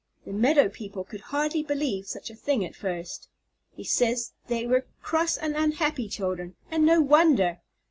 The meadow people could hardly believe such a thing at first. He says they were cross and unhappy children, and no wonder!